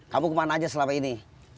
kamu kemana aja selama ini